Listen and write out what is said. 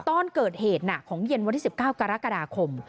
ตอนเกิดเหตุของเย็นวันที่๑๙กรกฎาคม